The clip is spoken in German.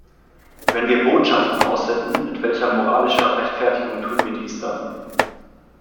Wenn wir Botschaften aussenden, mit welcher moralischen Rechtfertigung tun wir dies dann?